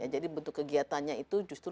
jadi bentuk kegiatannya itu justru